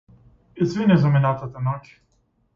Извини за минатата ноќ.